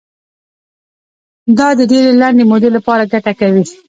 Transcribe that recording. دا د ډېرې لنډې مودې لپاره ګټه کوي.